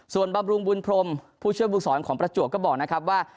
ส่วนบำรุงบุญพรมผู้เชื่อมบุคสรของประจวบก็บอกว่า